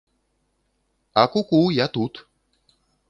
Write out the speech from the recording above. А ку-ку, я тут.